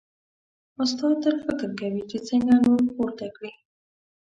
استاد تل فکر کوي چې څنګه نور پورته کړي.